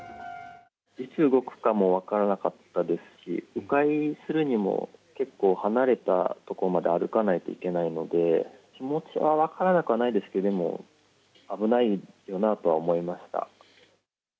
いつ動くかも分からなかったですし、う回するにも、結構離れた所まで歩かないといけないので、気持ちは分からなくはないですけども、危ないなとは思いました。